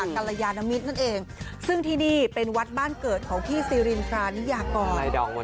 กรยานมิตรนั่นเองซึ่งที่นี่เป็นวัดบ้านเกิดของพี่ซีรินทรานิยากร